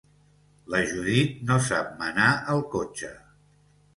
La Judit no sap menar el cotxe